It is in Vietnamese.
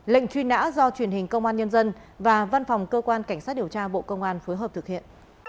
lệnh truy nã do truyền hình công an nhân dân và văn phòng cơ quan cảnh sát điều tra bộ công an phối hợp thực hiện